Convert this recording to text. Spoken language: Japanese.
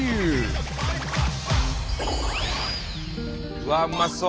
うわっうまそう！